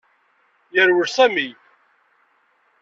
Yerwel Sami.